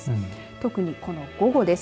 特に、この午後です。